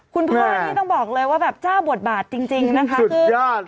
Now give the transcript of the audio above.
คุณพ่อนี่ต้องบอกเลยว่าแบบเจ้าบทบาทจริงนะคะคือยาก